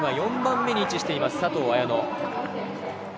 ４番目に位置しています、佐藤綾乃。